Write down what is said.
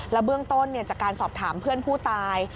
เบื้องต้นจากการสอบถามเพื่อนผู้ตาย